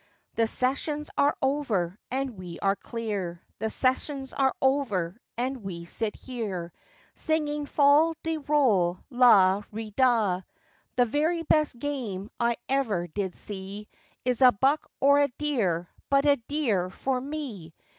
The sessions are over, and we are clear! The sessions are over, and we sit here, Singing fol de rol, la re da! The very best game I ever did see, Is a buck or a deer, but a deer for me!